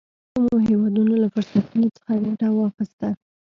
کومو هېوادونو له فرصتونو څخه ګټه واخیسته.